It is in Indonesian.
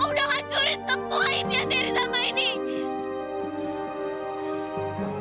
om udah ngancurin semua impian terry sama ini